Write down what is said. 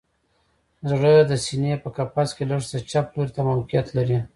زړه د سینه په قفس کې لږ څه چپ لوري ته موقعیت لري